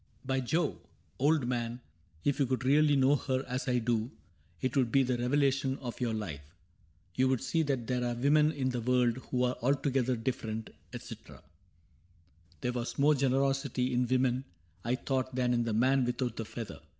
By Jove! old man, If you could really know her as I do 'T would be the revelation of your life : You would see that there are women in the world Who are altogether different," etc. There was more generosity in *' women " I thought than in the man without the feather.